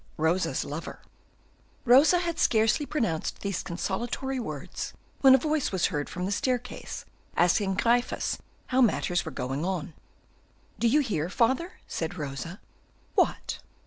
Rosa's Lover Rosa had scarcely pronounced these consolatory words when a voice was heard from the staircase asking Gryphus how matters were going on. "Do you hear, father?" said Rosa. "What?"